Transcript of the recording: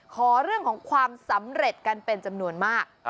ขอเรื่องของความสำเร็จกันเป็นจำนวนมาก